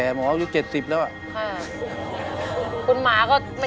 คุณหมาก็ไม่ใช่ตัวเล็กเลย